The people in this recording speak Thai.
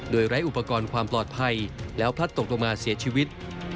โดยไร้อุปกรณ์ความปลอดภัยแล้วพลัดตกลงมาเสียชีวิต